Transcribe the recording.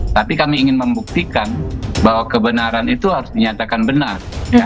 tapi kami ingin membuktikan bahwa kebenaran itu harus dinyatakan benar